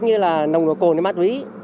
như là nồng nổ cồn hay ma túy